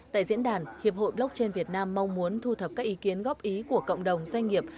tại diễn đàn hiệp hội blockchain việt nam mong muốn thu thập các ý kiến góp ý của cộng đồng doanh nghiệp